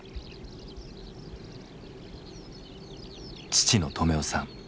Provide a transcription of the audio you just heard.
父の止男さん。